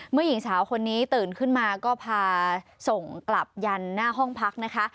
หญิงสาวคนนี้ตื่นขึ้นมาก็พาส่งกลับยันหน้าห้องพักนะคะ